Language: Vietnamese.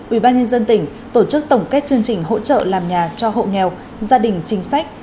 ubnd tỉnh tổ chức tổng kết chương trình hỗ trợ làm nhà cho hộ nghèo gia đình chính sách